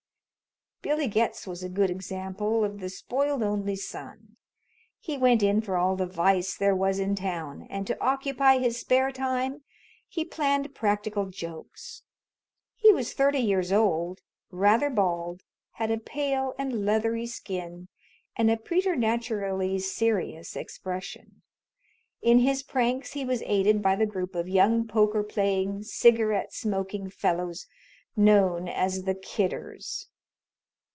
Billy Getz was a good example of the spoiled only son. He went in for all the vice there was in town, and to occupy his spare time he planned practical jokes. He was thirty years old, rather bald, had a pale and leathery skin, and a preternaturally serious expression. In his pranks he was aided by the group of young poker playing, cigarette smoking fellows known as the "Kidders."